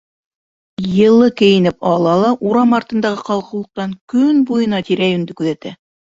Йылы кейенеп ала ла урам артындағы ҡалҡыулыҡтан көн буйына тирә-йүнде күҙәтә.